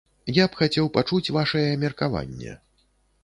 Я б хацеў пачуць вашае меркаванне.